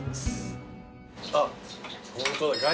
あっホントだ。